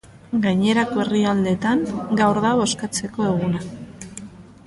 Gainerako herrialdeetan, gaur da bozkatzeko eguna.